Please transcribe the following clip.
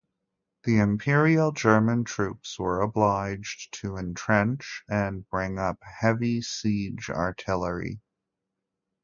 The Imperial German troops were obliged to entrench and bring up heavy siege artillery.